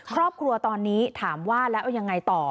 ครอบครัวตอนนี้ถามว่าแล้วยังไงต่อ